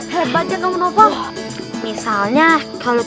kalau nggak aku barang barang ternyata tahu